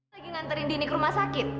lagi nganterin dini ke rumah sakit